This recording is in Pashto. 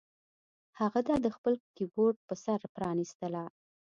هغه دا د خپل کیبورډ په سر پرانیستله